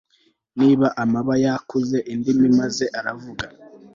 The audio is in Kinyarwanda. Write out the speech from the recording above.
niba amabayakuze indimi, maze aravuga